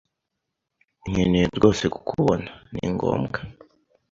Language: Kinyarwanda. Nkeneye rwose kukubona. Ni ngombwa.